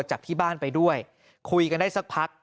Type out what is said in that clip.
จากที่บ้านไปด้วยคุยกันได้สักพัก